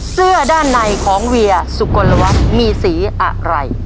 เสื้อด้านในของเวียสุกลวัฒน์มีสีอะไร